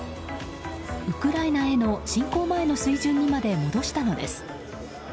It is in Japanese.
ウクライナへの侵攻前の水準にまで戻したのです。